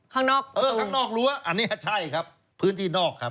ข้างนอกรั้วอันนี้ใช่ครับพื้นที่นอกครับ